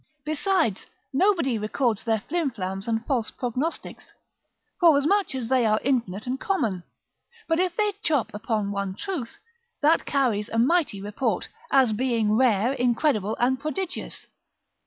Besides, nobody records their flimflams and false prognostics, forasmuch as they are infinite and common; but if they chop upon one truth, that carries a mighty report, as being rare, incredible, and prodigious.